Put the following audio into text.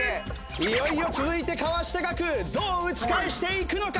いよいよ続いて河下楽どう打ち返していくのか！？